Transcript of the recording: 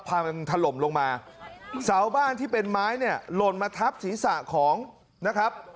พามันถล่มลงมาเสาบ้านที่เป็นไม้เนี่ยหล่นมาทับศีรษะของนะครับ